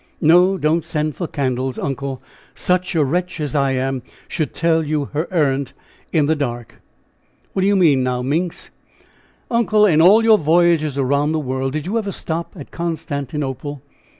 "No; don't send for candles, uncle! Such a wretch as I am should tell her errand in the dark." "What do you mean now, minx?" "Uncle, in all your voyages around the world did you ever stop at Constantinople?